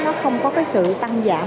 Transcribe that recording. nó không có sự tăng giảm